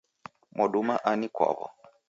Mwaduma ani kwaw'o?